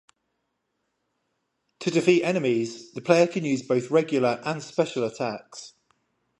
To defeat enemies, the player can use both regular and special attacks.